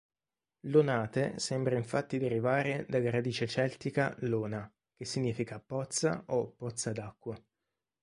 Lonate sembra infatti derivare dalla radice celtica "lona", che significa "pozza" o "pozza d'acqua".